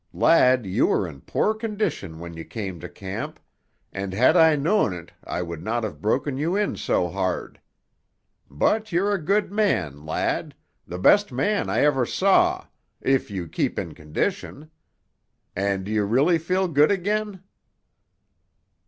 Lad, you were in poor condition when you came to camp, and had I known it I would not have broken you in so hard. But you're a good man, lad; the best man I ever saw, if you keep in condition. And do you really feel good again?"